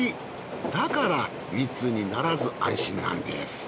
だから密にならず安心なんです。